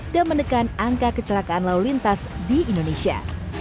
dan menekan angka kecelakaan lalu lintas di indonesia